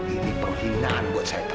ini pengkhinaan buat saya tahu